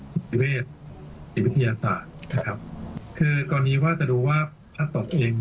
สถิเวทสิ่งวิทยาลัยอันตราคือก่อนนี้ว่าจะดูว่าพัฒน์ตกเอง